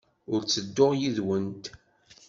Ur ttedduɣ yid-went.